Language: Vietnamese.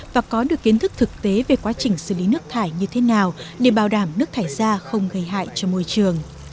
và có được kiến thức thực tế về quá trình xử lý nước thải như thế nào để bảo đảm nước thải ra không gây hại cho môi trường